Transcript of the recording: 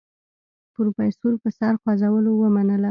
پروفيسر په سر خوځولو ومنله.